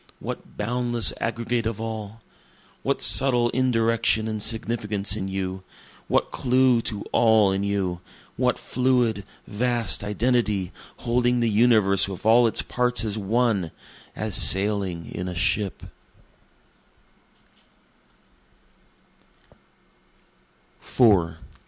what boundless aggregate of all? What subtle indirection and significance in you? what clue to all in you? what fluid, vast identity, Holding the universe with all its parts as one as sailing in a ship?